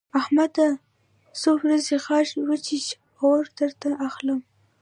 احمده! يو څو ورځې غاښ وچيچه؛ اوړه درته اخلم.